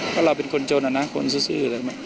เพราะเราเป็นคนจนอะนะคนซื้ออะไร